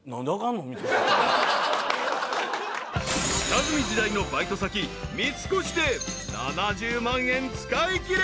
［下積み時代のバイト先三越で７０万円使いきれ］